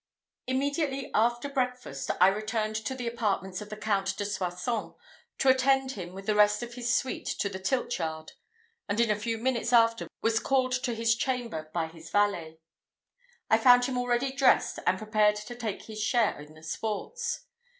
Immediately after breakfast I returned to the apartments of the Count de Soissons, to attend him with the rest of his suite to the tilt yard; and in a few minutes after was called to his chamber by his valet. I found him already dressed, and prepared to take his share in the sports.